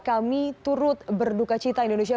kami turut berduka cita indonesia